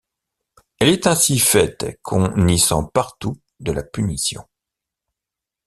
Elle est ainsi faite qu’on y sent partout de la punition.